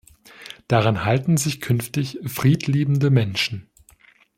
Daran halten sich künftig friedliebende Menschen.